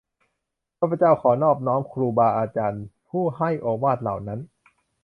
ข้าพเจ้าขอนอบน้อมครูบาอาจารย์ผู้ให้โอวาทเหล่านั้น